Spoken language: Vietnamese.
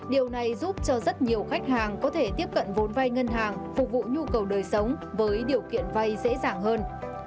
điều này giúp cho rất nhiều khách hàng có thể tiếp cận vốn vay ngân hàng phục vụ nhu cầu đời sống với điều kiện vay dễ dàng hơn